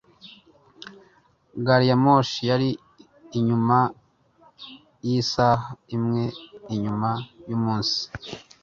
Gari ya moshi yari inyuma yisaha imwe inyuma yumunsi.